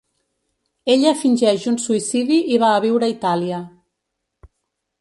Ella fingeix un suïcidi i va a viure a Itàlia.